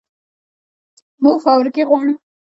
موږ فابریکې غواړو